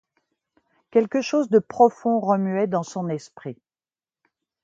Quelque chose de profond remuait dans son esprit.